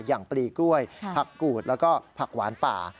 ปลีกล้วยผักกูดแล้วก็ผักหวานป่า